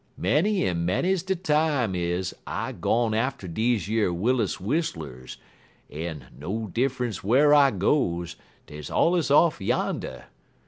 Many en many's de time is I gone atter deze yer Willis whistlers, en, no diffunce whar I goes, deyer allers off yander.